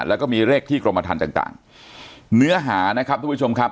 แล้วก็มีเลขที่กรมฐานต่างต่างเนื้อหานะครับทุกผู้ชมครับ